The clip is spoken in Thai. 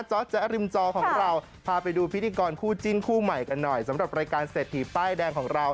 แจ๊ริมจอของเราพาไปดูพิธีกรคู่จิ้นคู่ใหม่กันหน่อยสำหรับรายการเศรษฐีป้ายแดงของเรา